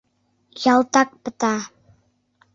Ялтак пыта.